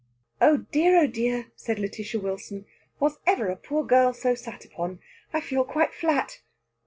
"Oh dear, oh dear!" said Lætitia Wilson. "Was ever a poor girl so sat upon? I feel quite flat!"